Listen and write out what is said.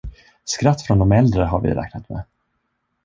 Skratt från dom äldre har vi räknat med.